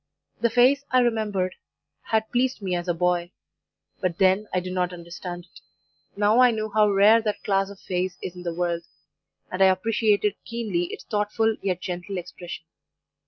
"The face, I remembered, had pleased me as a boy, but then I did not understand it; now I knew how rare that class of face is in the world, and I appreciated keenly its thoughtful, yet gentle expression.